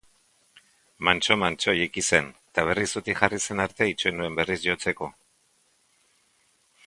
Mantso-mantso jaiki zen eta berriz zutik jarri zen arte itxoin nuen berriz jotzeko.